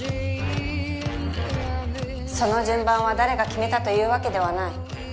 その順番は誰が決めたというわけではない。